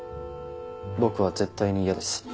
僕は絶対に嫌です。